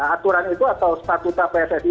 aturan itu atau statuta pssi